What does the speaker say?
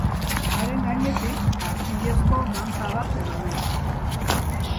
Haren gainetik artilezko manta bat edo bi.